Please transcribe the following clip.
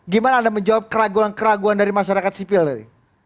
gimana anda menjawab keraguan keraguan dari masyarakat sipil tadi